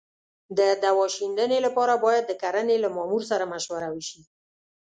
د دوا شیندنې لپاره باید د کرنې له مامور سره مشوره وشي.